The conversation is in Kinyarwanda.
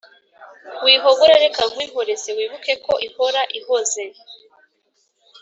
Wihogora reka nkwihoreze Wibuke ko ihora ihoze